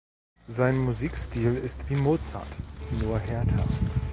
Sein Musikstil ist wie Mozart, nur härter.